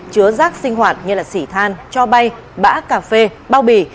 chứa rác sinh hoạt như xỉ than cho bay bã cà phê bao bì